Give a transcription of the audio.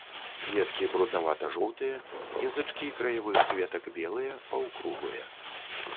Кветкі бруднавата-жоўтыя, язычкі краявых кветак белыя, паўкруглыя.